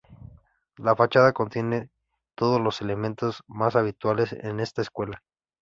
La fachada contiene todos los elementos más habituales en esta escuela.